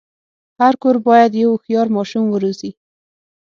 هر کور باید یو هوښیار ماشوم وروزي.